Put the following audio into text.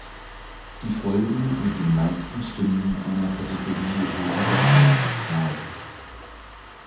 Die Folgen mit den meisten Stimmen einer Kategorie wurden dann ausgestrahlt.